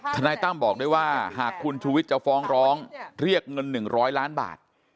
นายตั้มบอกด้วยว่าหากคุณชูวิทย์จะฟ้องร้องเรียกเงิน๑๐๐ล้านบาท